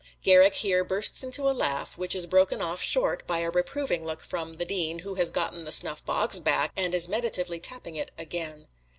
Garrick here bursts into a laugh, which is broken off short by a reproving look from the Dean, who has gotten the snuffbox back and is meditatively tapping it again.